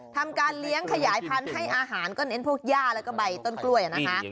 ทำการเลี้ยงขยายพันธุ์ให้อาหารก็เน้นพวกย่าแล้วก็ใบต้นกล้วยนะคะ